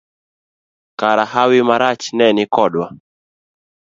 Kara hawi marach ne ni kodwa.